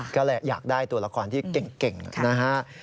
ก็เลยอยากได้ตัวละครที่เก่งนะฮะ